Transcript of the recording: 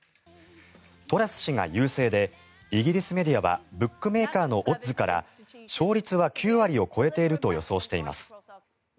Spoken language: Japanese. トラス氏が優勢でイギリスメディアはブックメーカーのオッズから勝率は９割を超えていると予想しています。